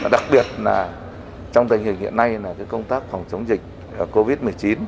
đặc biệt là trong tình hình hiện nay là cái công tác phòng chống dịch covid một mươi chín